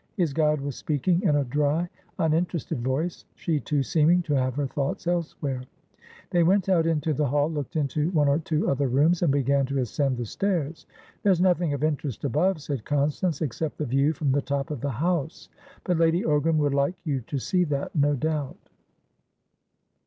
His guide was speaking in a dry, uninterested voice, she, too, seeming to have her thoughts elsewhere. They went out into the hall, looked into one or two other rooms, and began to ascend the stairs. "There's nothing of interest above," said Constance, "except the view from the top of the house. But Lady Ogram would like you to see that, no doubt."